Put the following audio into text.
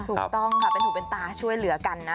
ถูกต้องค่ะเป็นถูกเป็นตาช่วยเหลือกันนะ